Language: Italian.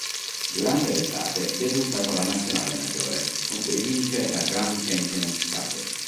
Durante l'estate debutta con la nazionale maggiore, con cui vince la Grand Champions Cup.